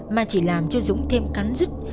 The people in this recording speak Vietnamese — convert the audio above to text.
mà chỉ làm cho dũng thêm cắn rứt